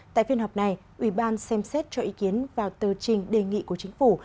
tại phiên họp này ubnd xem xét cho ý kiến vào tờ trình đề nghị của chính phủ